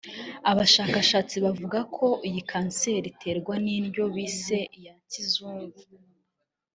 Abashakashatsi bavuga ko iyi kanseri iterwa n’indyo bise iya kizungu